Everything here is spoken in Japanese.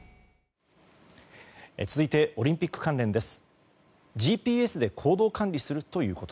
続いてオリンピック関連です。